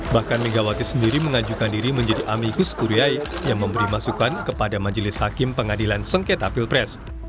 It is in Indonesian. bahkan megawati sendiri mengajukan diri menjadi amigus kuryai yang memberi masukan kepada majelis hakim pengadilan sengketa pilpres